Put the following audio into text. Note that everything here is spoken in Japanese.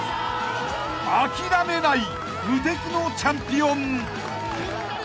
［諦めない無敵のチャンピオン］